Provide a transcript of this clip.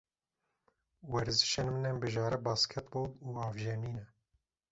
Werzişên min ên bijare basketbol û avjenî ne.